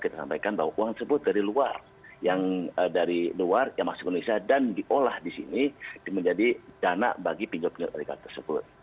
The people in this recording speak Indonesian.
kita sampaikan bahwa uang tersebut dari luar yang masih pun bisa dan diolah di sini menjadi dana bagi pinjol pinjol ilegal tersebut